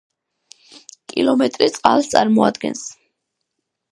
კილომეტრი წყალს წარმოადგენს.